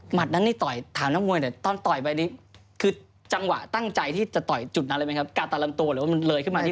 หมัดนั้นนี่ต่อยถามน้องมัวเฉยแล้วแต่ตอนต่อไปนั่นนี่